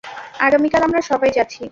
আগামীকাল, আমরা সবাই যাচ্ছি।